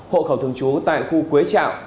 hộ khẩu thường trú tại khu quế trạo